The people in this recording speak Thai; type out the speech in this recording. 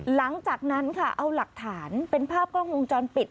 หลังจากนั้นค่ะเอาหลักฐานเป็นภาพกล้องวงจรปิด